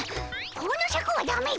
このシャクはダメじゃ！